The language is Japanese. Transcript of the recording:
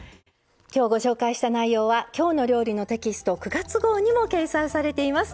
今日ご紹介した内容は「きょうの料理」のテキスト９月号にも掲載されています。